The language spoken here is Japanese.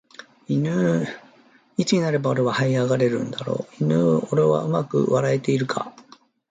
いぬーいつになれば俺は這い上がれるだろういぬー俺はうまく笑えているか